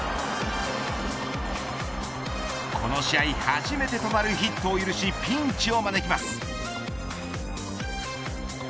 この試合初めてとなるヒットを許しピンチを招きます。